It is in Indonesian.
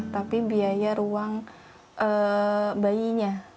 tapi biaya ruang bayinya